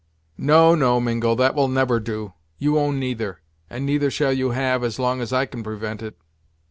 "No, no, Mingo, that will never do. You own neither; and neither shall you have, as long as I can prevent it.